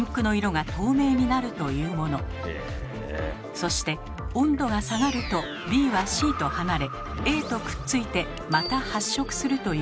そして温度が下がるとＢはＣと離れＡとくっついてまた発色するというものです。